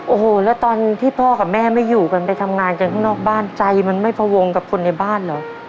โอ้โหแล้วตอนที่พ่อกับแม่ไม่อยู่กันไปทำงานกันข้างนอกบ้านใจมันไม่พวงกับคนในบ้านเหรอ